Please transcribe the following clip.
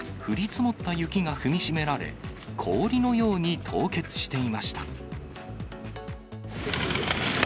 降り積もった雪が踏みしめられ、氷のように凍結していました。